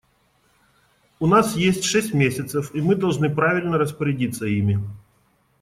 У нас есть шесть месяцев, и мы должны правильно распорядиться ими.